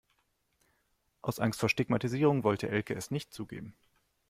Aus Angst vor Stigmatisierung wollte Elke es nicht zugeben.